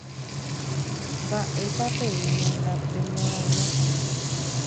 ¡Mba'épapeína la peñorairõ!